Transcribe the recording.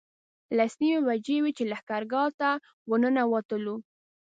لس نیمې بجې وې چې لښکرګاه ته ورنوتلو.